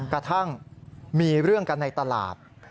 กระทั่งมีเรื่องกันในตลาด